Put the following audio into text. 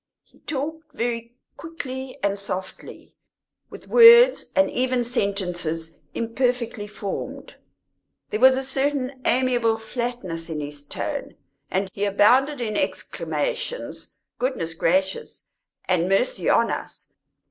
He talked very quickly and softly, with words, and even sentences, imperfectly formed; there was a certain amiable flatness in his tone, and he abounded in exclamations "Goodness gracious!" and "Mercy on us!"